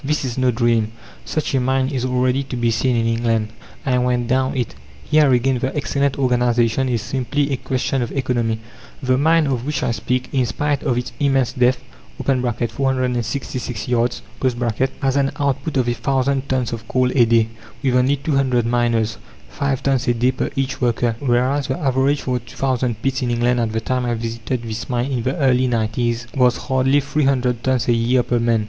This is no dream, such a mine is already to be seen in England; I went down it. Here again the excellent organization is simply a question of economy. The mine of which I speak, in spite of its immense depth (466 yards), has an output of a thousand tons of coal a day, with only two hundred miners five tons a day per each worker, whereas the average for the two thousand pits in England at the time I visited this mine in the early 'nineties, was hardly three hundred tons a year per man.